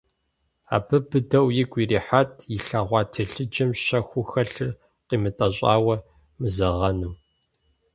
Абы быдэу игу ирилъхьат илъэгъуа телъыджэм щэхуу хэлъыр къимытӀэщӀауэ мызэгъэну.